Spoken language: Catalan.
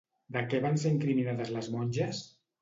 De què van ser incriminades les monges?